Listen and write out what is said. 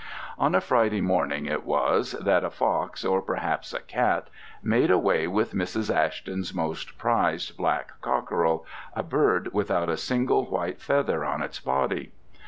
On a Friday morning it was that a fox, or perhaps a cat, made away with Mrs. Ashton's most prized black cockerel, a bird without a single white feather on its body.